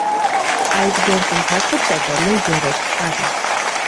Այդ գործընթացը տևել է երեք տարի։